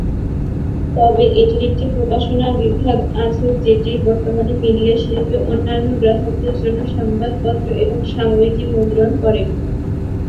তবে এটির একটি প্রকাশনা বিভাগ আছে যেটি বর্তমানে মিডিয়া শিল্পে অন্যান্য গ্রাহকদের জন্য সংবাদপত্র এবং সাময়িকী মুদ্রণ করে।